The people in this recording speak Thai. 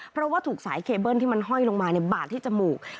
เพราะว่าถูกสายเคเบิ้ลที่มันห้อยลงมาบาดที่จมูก